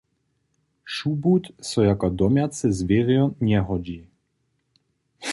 Šubut so jako domjace zwěrjo njehodźi.